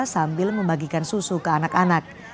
sambil membagikan susu ke anak anak